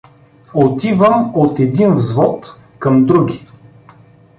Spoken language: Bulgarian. Отивам от един взвод към други.